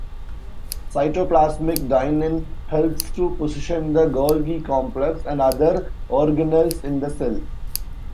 Cytoplasmic dynein helps to position the Golgi complex and other organelles in the cell.